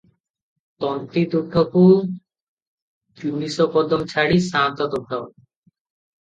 ତନ୍ତୀତୁଠକୁ ତିନିଶ କଦମ ଛାଡ଼ି ସାଆନ୍ତ ତୁଠ ।